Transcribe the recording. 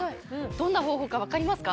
どんな方法か分かりますか？